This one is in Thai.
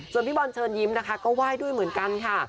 ส่วนพี่บอลเชิญยิ้มนะคะก็ไหว้ด้วยเหมือนกันค่ะ